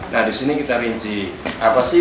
nah disini kita rinci apa sih